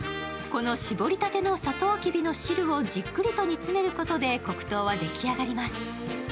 この搾りたてのさとうきびの汁をじっくりと煮詰めることで黒糖は出来上がります。